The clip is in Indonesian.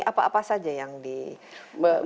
apa apa saja yang diberikan